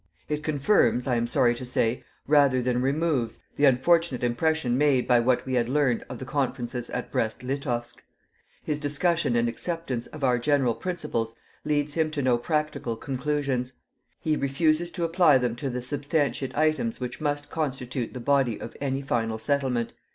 It confirms, I am sorry to say, rather than removes, the unfortunate impression made by what we had learned of the conferences at Brest Litovsk. His discussion and acceptance of our general principles leads him to no practical conclusions. He refuses to apply them to the substantiate items which must constitute the body of any final settlement.